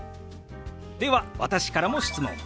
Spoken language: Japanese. では私からも質問。